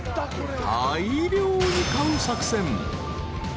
［大量に買う作戦］